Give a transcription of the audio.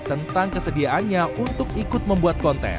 tentang kesediaannya untuk ikut membuat konten